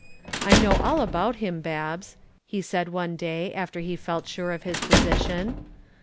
"I know all about him, Babs," he said one day after he felt sure of his position.